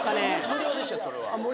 無料でしたそれは。